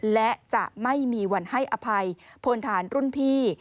และจะไม่มีวันให้อภัยพลฐานรุ่นพี่